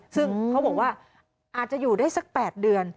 ซึ่งเขาบอกว่าอาจจะอยู่ได้สัก๘เดือน